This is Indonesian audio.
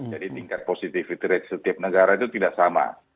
jadi tingkat positivity rate setiap negara itu tidak sama